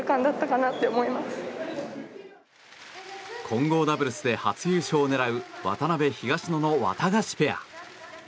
混合ダブルスで初優勝を狙う渡辺、東野のワタガシペア。